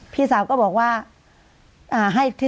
พี่สาวก็บอกว่า